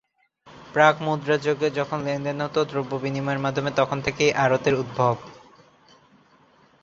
প্রাক্-মুদ্রাযুগে, যখন লেনদেন হতো দ্রব্য বিনিময়ের মাধ্যমে, তখন থেকেই আড়ত-এর উদ্ভব।